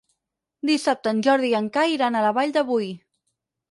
Dissabte en Jordi i en Cai iran a la Vall de Boí.